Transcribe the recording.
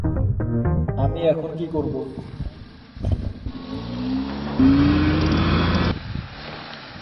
প্রাচীন গ্রন্থে, সতের উপর ভিত্তি করে একীকরণ শব্দ, "সার্বজনীন আত্মা, সর্বজনীন নীতি, সত্তা, বিশ্বের আত্মা, ব্রহ্ম" উল্লেখ করে।